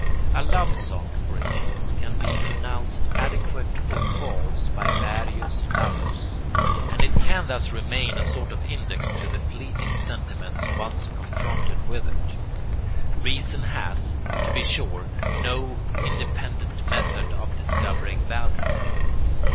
A love song, for instance, can be pronounced adequate or false by various lovers; and it can thus remain a sort of index to the fleeting sentiments once confronted with it. Reason has, to be sure, no independent method of discovering values.